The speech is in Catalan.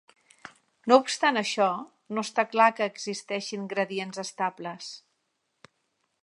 No obstant això, no està clar que existeixin gradients estables.